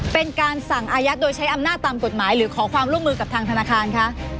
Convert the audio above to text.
เป็นการสั่งอายัดโดยใช้อำนาจตามกฎหมายหรือขอความร่วมมือกับทางธนาคารคะ